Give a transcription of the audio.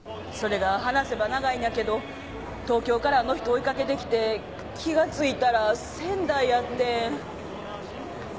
それが話せば長いんやけど東京からあの人追いかけてきて気がついたら仙台やってん。